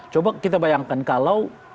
coba kita bayangkan kalau